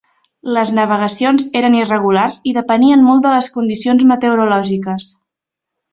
Les navegacions eren irregulars i depenien molt de les condicions meteorològiques.